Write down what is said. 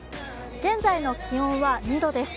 現在の気温は２度です。